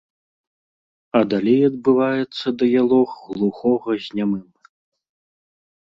А далей адбываецца дыялог глухога з нямым.